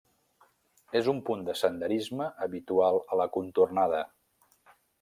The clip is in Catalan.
És un punt de senderisme habitual a la contornada.